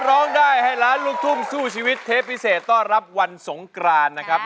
ร้องได้ให้ล้านลูกทุ่งสู้ชีวิตเทปพิเศษต้อนรับวันสงกรานนะครับ